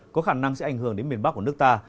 có khả năng sẽ ảnh hưởng đến miền bắc của nước ta